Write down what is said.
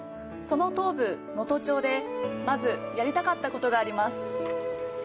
その東部、能登町でまずやりたかったことがあります。